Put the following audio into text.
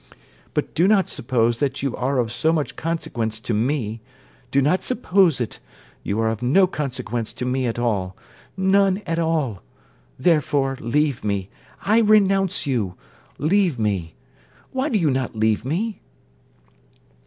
But do not suppose that you are of so much consequence to me: do not suppose it: you are of no consequence to me at all none at all: therefore, leave me: I renounce you: leave me; why do you not leave me?'